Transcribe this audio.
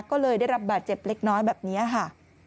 ก็เลยได้รับบาดเจ็บเล็กน้อยแบบนี้ค่ะ